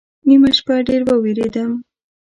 نیمه شپه ډېر ووېرېدم